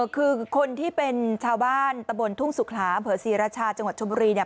คือคนที่เป็นชาวบ้านตะบนทุ่งสุขลาอำเภอศรีราชาจังหวัดชมบุรีเนี่ย